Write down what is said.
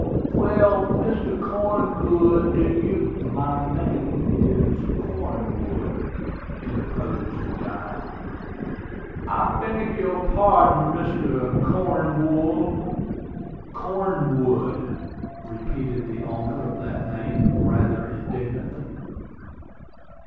"Well, Mr. Corngood, do you " "My name is Cornwood," interposed the guide. "I beg your parding, Mr. Cornwool." "Cornwood," repeated the owner of that name, rather indignantly.